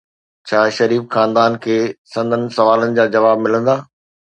ڇا شريف خاندان کي سندن سوالن جا جواب ملندا؟